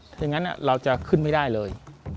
ถ้าอย่างนั้นเราจะขึ้นไม่ได้เลย